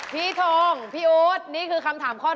พี่ท้งพี่อุ๊ตนี่คือคำถามข้อแรกค่ะ